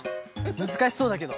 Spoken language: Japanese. むずかしそうだけど。